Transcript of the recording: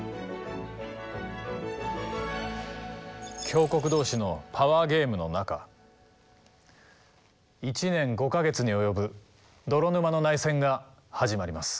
強国同士のパワーゲームの中１年５か月に及ぶ泥沼の内戦が始まります。